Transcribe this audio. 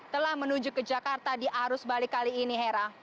telah menuju ke jakarta di arus balik kali ini hera